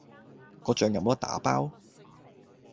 個醬有冇得打包？